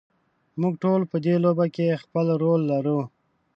موږ ټول په دې لوبه کې خپل رول لرو.